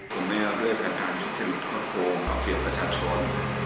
ผมไม่เอาด้วยการทานชุดเจริญข้อโครงเอาเกี่ยวกับประชาชน